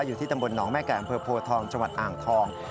อยู่ที่ตำบลหนองแม่แก่อำเภอโพทองจังหวัดอ่างทอง